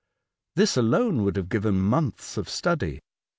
This alone would have given months of study.